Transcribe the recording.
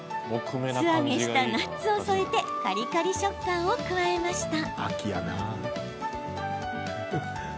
素揚げしたナッツを添えてカリカリ食感を加えました。